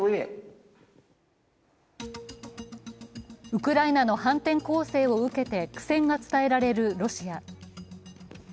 ウクライナの反転攻勢を受けて苦戦が伝えられるロシア。